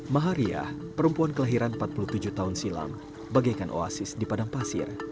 mahariah perempuan kelahiran empat puluh tujuh tahun silam bagaikan oasis di padang pasir